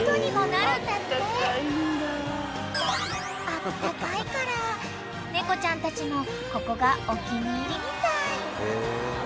［あったかいから猫ちゃんたちもここがお気に入りみたい］